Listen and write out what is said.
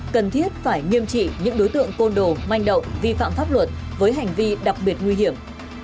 cần thiết phải nghiêm trị những đối tượng côn đồ manh động vi phạm pháp luật với hành vi đặc biệt nguy hiểm